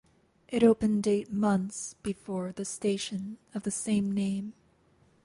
It opened eight months before the station of the same name.